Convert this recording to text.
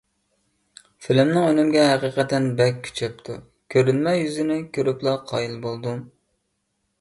فىلىمنىڭ ئۈنۈمىگە ھەقىقەتەن بەك كۈچەپتۇ، كۆرۈنمە يۈزىنى كۆرۈپلا قايىل بولدۇم.